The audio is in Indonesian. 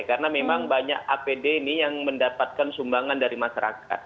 karena memang banyak apd ini yang mendapatkan sumbangan dari masyarakat